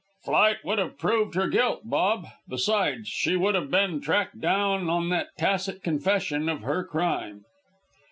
"Flight would have proved her guilt, Bob. Besides, she would have been tracked down on that tacit confession of her crime."